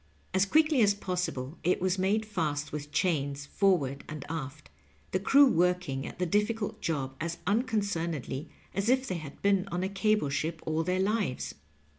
As quickly as possible it was made fast with chains forward and aft, the crew working at the difficult job as unconcernedly as if they had been on a cable ship all their lives.